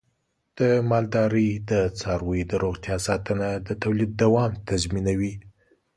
د مالدارۍ د څارویو د روغتیا ساتنه د تولید دوام تضمینوي.